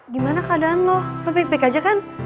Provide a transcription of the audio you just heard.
gimana keadaan lo lo baik baik aja kan